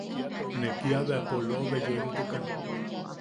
Ne kiabea polobe yoemtukan.